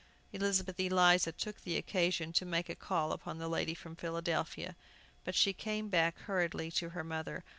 Elizabeth Eliza took the occasion to make a call upon the lady from Philadelphia, but she came back hurriedly to her mother.